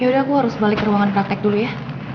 yaudah aku harus balik ke ruangan praktek dulu ya